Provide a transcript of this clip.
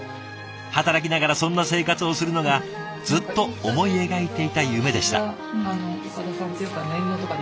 働きながらそんな生活をするのがずっと思い描いていた夢でした。